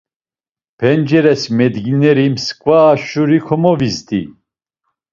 Penceres medgineri msǩva şuri komovizdi.